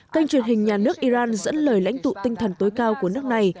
kênh truyền hình nhà nước iran dẫn lời lãnh tụ tinh thần tối cao của nước này